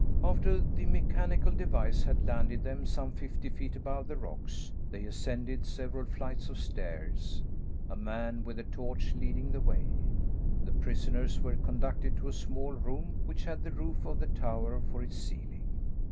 After the mechanical device had landed them some fifty feet above the rocks, they ascended several flights of stairs, a man with a torch leading the way. The prisoners were conducted to a small room, which had the roof of the tower for its ceiling.